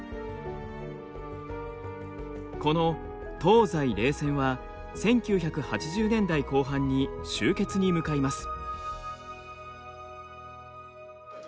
この東西冷戦は１９８０年代後半に終結に向かいます。